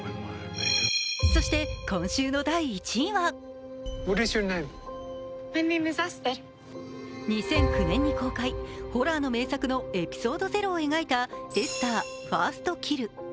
そして、今週の第１位は２００９年に公開、ホラーの名作の「エピソードゼロ」を描いた「エスターファースト・キル」。